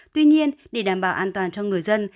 tuy nhiên để đảm bảo an toàn cho người dân